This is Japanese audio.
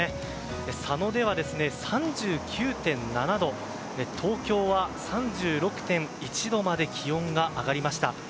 佐野では３９．７度東京は３６．１度まで気温が上がりました。